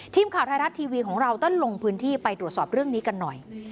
ทีมข่าวไทยรัฐทีวีของเราต้องลงพื้นที่ไปตรวจสอบเรื่องนี้กันหน่อย